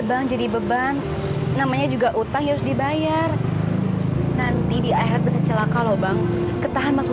bang jadi beban namanya juga utang harus dibayar nanti di akhir bisa celaka loh bang ketahan masuk